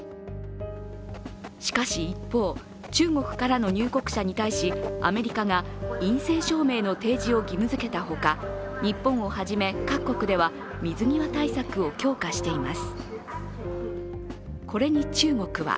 しかし、一方、中国からの入国者に対し、アメリカが陰性証明の提示を義務づけたほか日本をはじめ、各国では水際対策を強化しています。